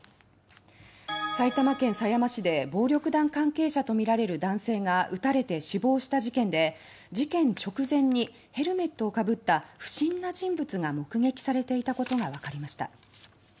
埼玉県狭山市で暴力団関係者とみられる男性が撃たれて死亡した事件で事件直前にヘルメットをかぶった不審な人物が目撃されていたことがわかりました。